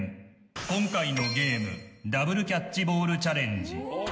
今回のゲームダブルキャッチボールチャレンジ。